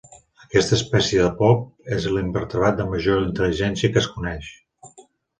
Aquesta espècie de polp és l'invertebrat de major intel·ligència que es coneix.